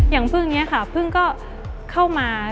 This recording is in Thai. พึ่งนี้ค่ะพึ่งก็เข้ามา